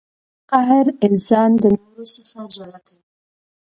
قهر انسان د نورو څخه جلا کوي.